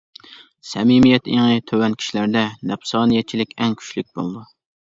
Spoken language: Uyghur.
سەمىمىيەت ئېڭى تۆۋەن كىشىلەردە نەپسانىيەتچىلىك ئەڭ كۈچلۈك بولىدۇ.